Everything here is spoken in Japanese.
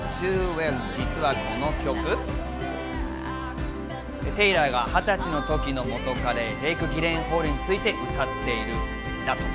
実はこの曲、テイラーが２０歳の時の元彼、ジェイク・ギレンホールについて歌っている曲だとか。